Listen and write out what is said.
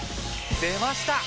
出ました！